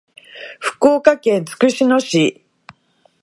福岡県筑紫野市